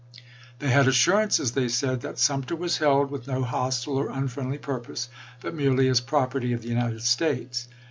They had assurances, they said, that Sumter was held with no hostile or unfriendly purpose, but " merely as property of the United States."